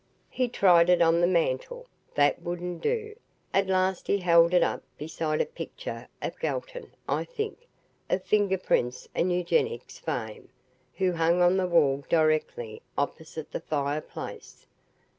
He tried it on the mantel. That wouldn't do. At last he held it up beside a picture of Galton, I think, of finger print and eugenics fame, who hung on the wall directly opposite the fireplace.